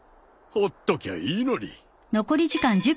ほっときゃいいのに。